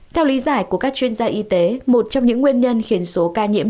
theo lý giải của các chuyên gia y tế một trong những nguyên nhân khiến số ca nhiễm